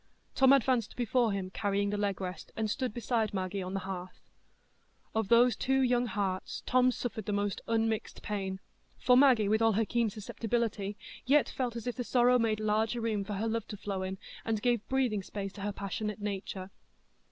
Tom advanced before him, carrying the leg rest, and stood beside Maggie on the hearth. Of those two young hearts Tom's suffered the most unmixed pain, for Maggie, with all her keen susceptibility, yet felt as if the sorrow made larger room for her love to flow in, and gave breathing space to her passionate nature.